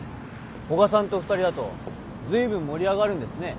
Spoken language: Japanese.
古賀さんと２人だとずいぶん盛り上がるんですね。